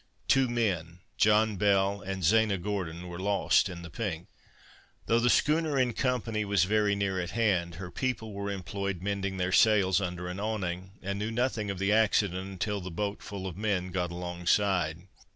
Two men, John Bell, and Zana Gourdon, were lost in the pink. Though the schooner in company was very near at hand, her people were employed mending their sails under an awning, and knew nothing of the accident until the boat full of men, got alongside.